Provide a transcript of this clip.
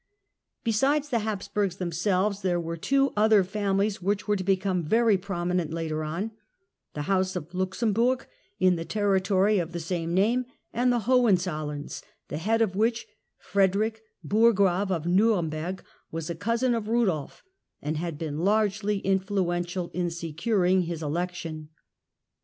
Besides the Habsburgs themselves, there were two other families which were to become very prominent later : the House of Luxemburg in the territory of the same name, and the Hohenzollerns, the head of which — Frederick Burggrave of Nuremberg, was a cousin of Eudolf, and had been largely influential in securing his election.